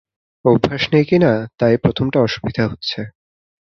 অভ্যাস নেই কি না, তাই প্রথমটা অসুবিধা হচ্ছে।